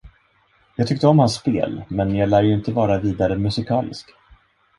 Jag tyckte om hans spel, men jag lär ju inte vara vidare musikalisk.